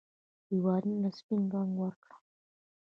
ديوالونو له سپين رنګ ورکړه